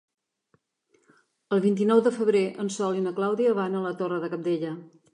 El vint-i-nou de febrer en Sol i na Clàudia van a la Torre de Cabdella.